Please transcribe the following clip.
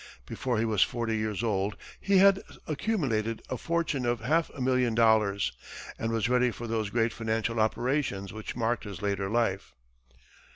Before he was forty years old, he had accumulated a fortune of half a million dollars, and was ready for those great financial operations which marked his later life.